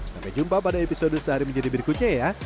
sampai jumpa pada episode sehari menjadi berikutnya ya